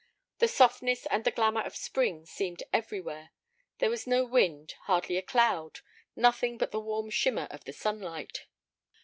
The softness and the glamour of spring seemed everywhere. There was no wind, hardly a cloud—nothing but the warm shimmer of the sunlight.